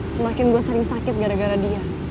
semakin gue sering sakit gara gara dia